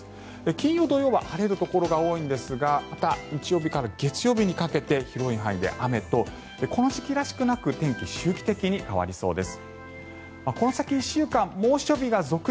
金曜、土曜は晴れるところが多いですがまた、日曜日から月曜日にかけて広い範囲で雨とこの時期らしくなく天気、周期的に変わりそうです。